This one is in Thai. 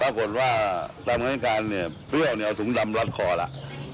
ปรากฏว่าตอนนั้นการเปรี้ยวเอาถุงดำรอดคอแล้ว